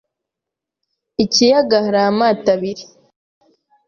Ikiyaga hari amato abiri.